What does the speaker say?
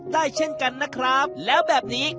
การที่บูชาเทพสามองค์มันทำให้ร้านประสบความสำเร็จ